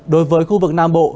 đối với khu vực nam bộ